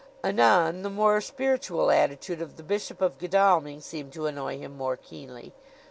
Anon the more spiritual attitude of the Bishop of Godalming seemed to annoy him more keenly.